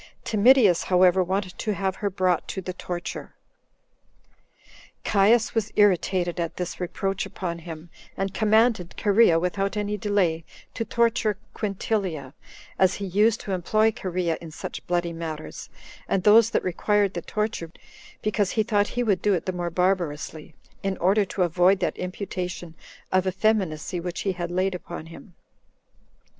Timidius, however, wanted to have her brought to the torture. Caius was irritated at this reproach upon him, and commanded Cherea, without any delay, to torture Quintilia, as he used to employ Cherea in such bloody matters, and those that required the torture, because he thought he would do it the more barbarously, in order to avoid that imputation of effeminacy which he had laid upon him.